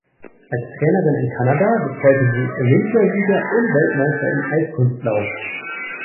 Als Trainerin in Kanada betreute sie Olympiasieger und Weltmeister im Eiskunstlauf.